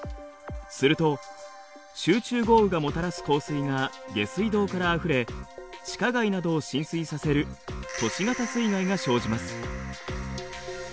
すると集中豪雨がもたらす降水が下水道からあふれ地下街などを浸水させる都市型水害が生じます。